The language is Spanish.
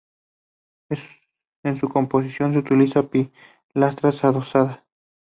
En su composición se utilizan pilastras adosadas.